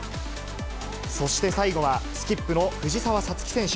そして最後はスキップの藤澤五月選手。